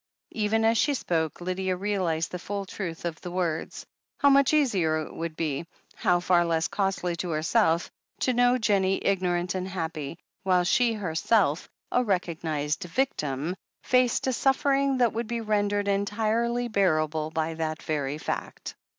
Even as she spoke Lydia realized the full truth of the words. How much easier it would be, how far less costly to herself, to know Jennie ignorant and happy, while she herself, a recognized victim, faced a suffering that would be rendered entirely bearable by that very fact.